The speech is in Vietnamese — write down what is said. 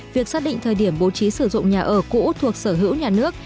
việc xác định thời điểm bố trí sử dụng nhà ở cũ thuộc sở hữu nhà nước